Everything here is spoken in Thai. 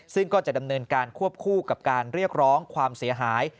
ซึ่งก็จะดำเนินการควบคู่กับการเรียกร้องความเสียหาย